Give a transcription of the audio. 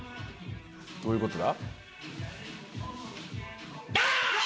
どういうことだ？